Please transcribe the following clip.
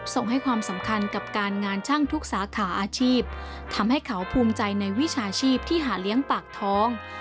ส่งให้ความสำคัญกับการงานช่างทุกสาขาอาชีพทำให้เขาภูมิใจในวิชาชีพที่หาเลี้ยงปากท้อง